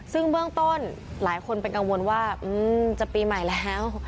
ซึ่งเบื้องต้นหลายคนเป็นกังวลว่าจะปีใหม่แล้ว